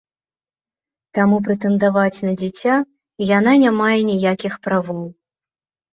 Таму прэтэндаваць на дзіця яна не мае ніякіх правоў.